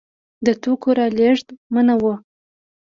د توکو رالېږد منع و.